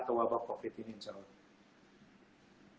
atau wabah covid ini insya allah